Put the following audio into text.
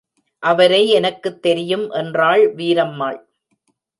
அவரை எனக்குத் தெரியும் என்றாள் வீரம்மாள்.